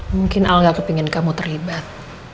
mungkin al tidak ingin kamu terlibat